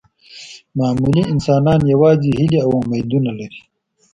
معمولي انسانان یوازې هیلې او امیدونه لري.